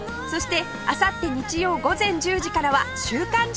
そしてあさって日曜午前１０時からは『週刊！